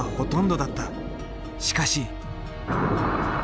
しかし。